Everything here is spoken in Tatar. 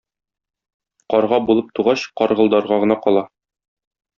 Карга булып тугач каргылдарга гына кала.